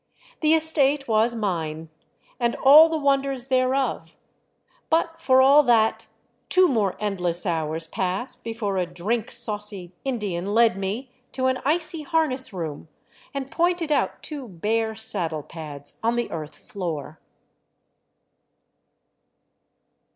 The estate was mine, and all the wonders thereof — but for all that two more endless hours passed before a drink saucy Indian led me to an icy 284 DRAWBACKS OF THE TRAIL harness room and pointed out two bare saddle pads on the earth floor.